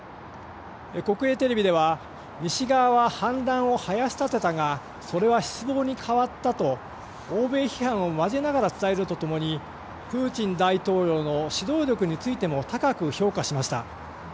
国営テレビでは西側は反乱をはやし立てたがそれは失望に変わったと欧米批判を交えながら伝えると共にプーチン大統領の指導力についても高く評価しました。